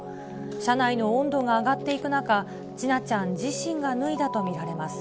車内の温度が上がっていく中、千奈ちゃん自身が脱いだと見られます。